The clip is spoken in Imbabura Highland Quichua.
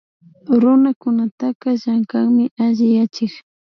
Runakunataka llankanmi alli yachik